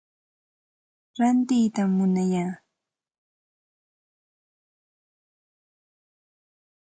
Rantiytam munaya.